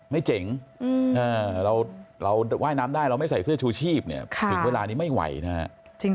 เจ๋งเราว่ายน้ำได้เราไม่ใส่เสื้อชูชีพเนี่ยถึงเวลานี้ไม่ไหวนะฮะ